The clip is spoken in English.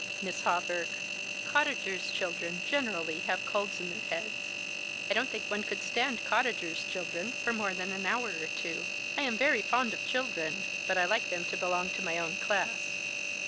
Miss Hawbekk. Cottagers' children generally have colds in their heads. I don't think one could stand cottagers' children for more than an hour or two. I am very fond of children, but I like them to belong to my own class.